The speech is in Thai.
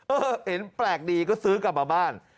เออเห็นแปลกดีก็ซื้อกลับมาบ้าน